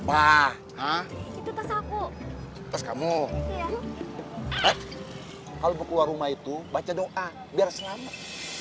kalau mau keluar rumah itu baca doa biar selamat